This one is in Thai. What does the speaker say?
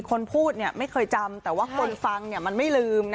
คนพูดเนี่ยไม่เคยจำแต่ว่าคนฟังเนี่ยมันไม่ลืมนะ